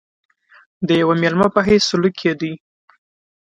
د یوه مېلمه په حیث سلوک کېدی.